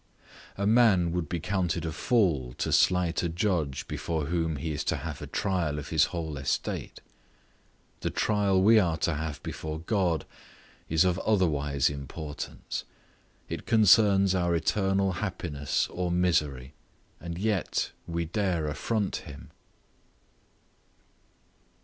A man would be counted a fool to slight a judge before whom he is to have a trial of his whole estate. The trial we are to have before God is of otherwise importance; it concerns our eternal happiness or misery, and yet dare we affront him.